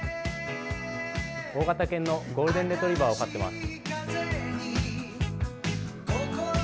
大型犬のゴールデンレトリバーを飼っています。